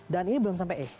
dan ini belum sampai e